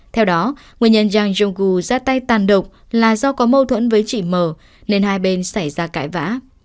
theo đó nguyên nhân giang jong gu ra tay tàn độc là do có mâu thuẫn với chị m nên hai bên xảy ra cãi vã